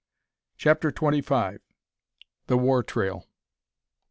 CHAPTER TWENTY FIVE. THE WAR TRAIL.